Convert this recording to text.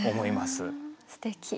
すてき。